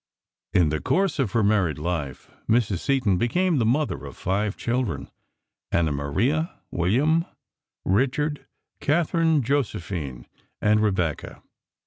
In the course of her married life Mrs. Seton became the mother of five children, Anna Maria, William, Richard, Catherine Josephine and Rebecca.